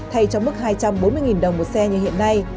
thay cho mức hai trăm bốn mươi đồng một xe như hiện nay